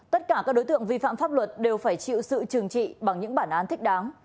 tất cả các đối tượng vi phạm pháp luật đều phải chịu sự trừng trị bằng những bản án thích đáng